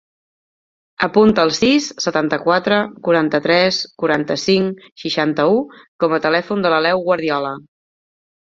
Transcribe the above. Apunta el sis, setanta-quatre, quaranta-tres, quaranta-cinc, seixanta-u com a telèfon de l'Aleu Guardiola.